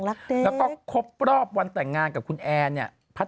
แล้วก็ครบรอบวันแต่งงานกับคุณแอนเนี่ย